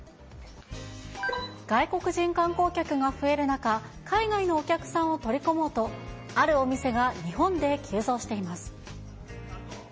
外国人観光客が増える中、海外のお客さんを取り込もうと、あるお店が日本で急増しています。